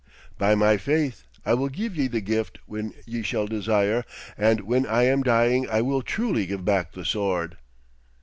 'By my faith, I will give ye the gift when ye shall desire, and when I am dying I will truly give back the sword.'